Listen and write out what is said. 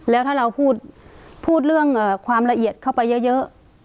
แล้วถ้าเราพูดพูดเรื่องเอ่อความละเอียดเข้าไปเยอะเยอะ